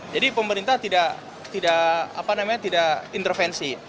jadi pemerintah tidak intervensi